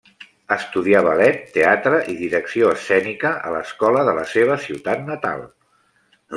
Estudià ballet, teatre i direcció escènica a l'escola de la seva ciutat natal.